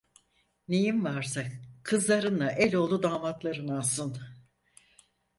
Neyin varsa, kızlarınla eloğlu damatların alsın.